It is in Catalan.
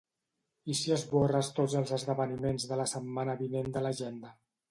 I si esborres tots els esdeveniments de la setmana vinent de l'agenda?